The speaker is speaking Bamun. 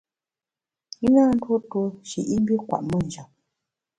I na ntuo tuo shi i mbi kwet me njap.